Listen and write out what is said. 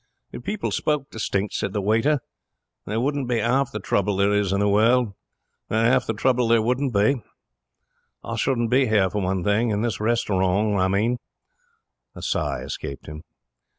'If people spoke distinct,' said the waiter, 'there wouldn't be half the trouble there is in the world. Not half the trouble there wouldn't be. I shouldn't be here, for one thing. In this restawrong, I mean.' A sigh escaped him.